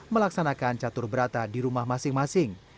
melaksanakan catur berata di rumah masing masing